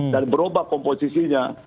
dan berubah komposisinya